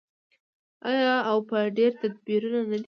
آیا او په ډیر تدبیر نه دی؟